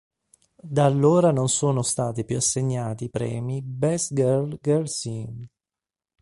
Da allora non sono stati più assegnati premi "Best Girl-Girl Scene".